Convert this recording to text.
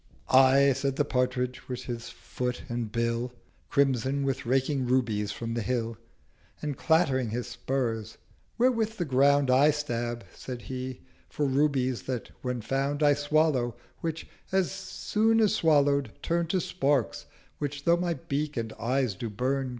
'Aye,' said The Partridge, with his Foot and Bill 360 Crimson with raking Rubies from the Hill, And clattering his Spurs—'Wherewith the Ground I stab,' said he, 'for Rubies, that, when found I swallow; which, as soon as swallow'd, turn To Sparks which though my beak and eyes do burn.